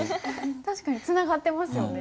確かにつながってますよね。